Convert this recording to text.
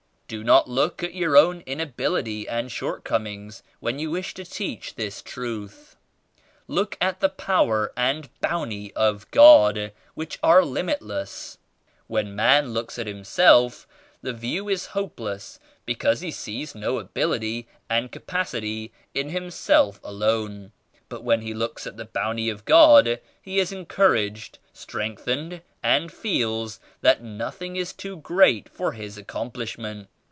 Do not look at your own inability and shortcomings when you wish to teach this Truth. Look at the Power 97 and Bounty of God which are limitless. When man looks at himself the view is hopeless because he sees no ability and capacity in himslf alone. But when he looks at the Bounty of God he is encouraged, strengthened and feels that nothing: it too great for his accomplishment.